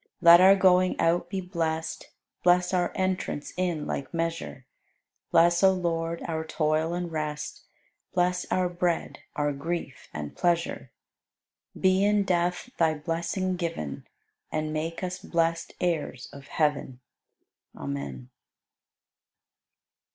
Let our going out be blest, Bless our entrance in like measure; Bless, O Lord, our toil and rest, Bless our bread, our grief and pleasure; Be in death Thy blessing given, And make us blest heirs of heaven. Amen.